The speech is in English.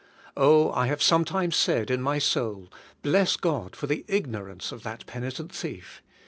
Oh, I have sometimes said in my soul, bless God for the ignorance of that penitent thief.